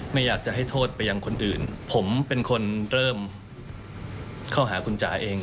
ไม่อยากจะให้โทษไปยังคนอื่นผมเป็นคนเริ่มเข้าหาคุณจ๋าเอง